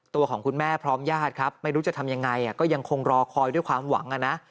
ตัวของคุณแม่พร้อมญาติครับไม่รู้จะทำยังไงก็ยังคงรอคอยด้วยความหวังนะ